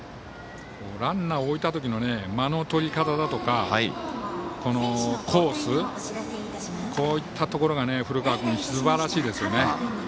ランナーを置いた時の間の取り方だとかコース、こういったところが古川君、すばらしいですよね。